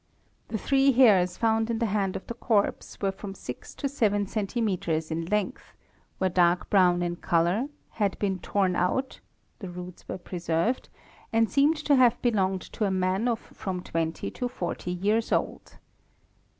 The three hairs found in the hand of the corpse were from six to seven ems in — length, were dark brown in colour, had been torn out (the roots were preserved) and seemed to have belonged to a man of from twenty to forty years old.